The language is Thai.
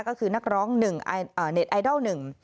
ก็คือนักร้อง๑เน็ตไอดัล๑